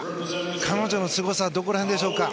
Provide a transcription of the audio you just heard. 彼女のすごさはどこら辺でしょうか。